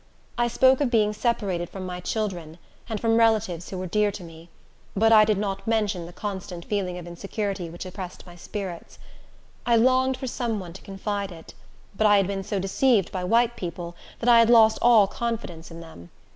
I spoke of being separated from my children, and from relatives who were dear to me; but I did not mention the constant feeling of insecurity which oppressed my spirits. I longed for some one to confide it; but I had been so deceived by white people, that I had lost all confidence in them.